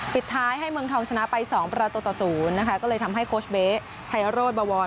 ปิดท้ายให้เมืองทองชนะไป๒ประตูต่อ๐นะคะก็เลยทำให้โค้ชเบ๊ไพโรธบวร